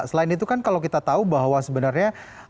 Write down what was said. selain itu kan kalau kita tahu bahwa sebenarnya